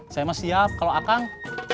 saya masih siap kalau akang